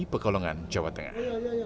pekalongan jawa tengah